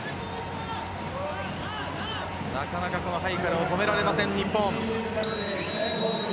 なかなかこのハイカルを止められません、日本。